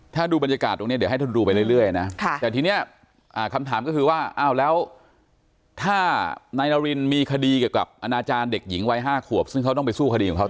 ถ้าดูบรรยากาศตรงนี้เดี๋ยวให้ท่านดูไปเรื่อยนะแต่ทีนี้คำถามก็คือว่าอ้าวแล้วถ้านายนารินมีคดีเกี่ยวกับอนาจารย์เด็กหญิงวัย๕ขวบซึ่งเขาต้องไปสู้คดีของเขา